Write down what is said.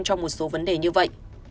trong một số vấn đề như vậy